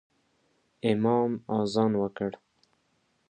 امام اذان وکړ